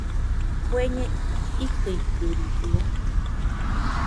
¿Bueñe ikɨikɨridɨo?